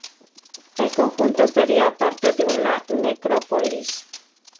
El conjunto sería parte de una necrópolis.